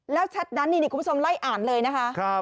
แล้วแชทนั้นนี่คุณผู้ชมไล่อ่านเลยนะคะ